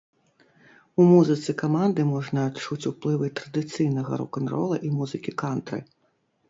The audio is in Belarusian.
У музыцы каманды можна адчуць уплывы традыцыйнага рок-н-рола і музыкі кантры.